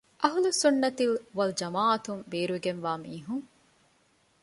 އަހުލުއްސުންނަތި ވަލްޖަމާޢަތުން ބޭރުވެގެންވާ މީހުން